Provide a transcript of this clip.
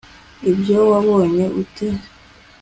ibyo wabonye ute